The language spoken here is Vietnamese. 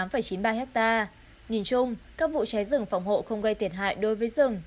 nhìn chung các vụ cháy rừng phòng hộ không gây thiệt hại đối với rừng